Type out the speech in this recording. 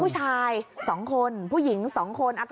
ผู้ชายสองคนผู้หญิงสองคน